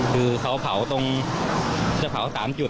คือเขาเผา๓จุด